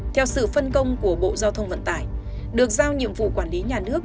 theo sự phân công của bộ giao thông vận tải được giao nhiệm vụ quản lý nhà nước